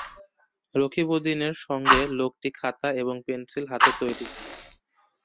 রকিবউদিনের সঙ্গের লোকটি খাতা এবং পেন্সিল হাতে তৈরি।